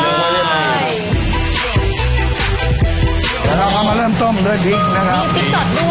แล้วเราก็มาเริ่มต้มด้วยพริกนะครับ